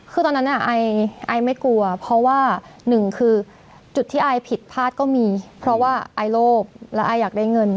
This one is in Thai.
คือตอนนั้นไอไม่กลัวเพราะว่าหนึ่งคือจุดที่ไอผิดพลาดก็มีเพราะว่าไอโลภและไออยากได้เงิน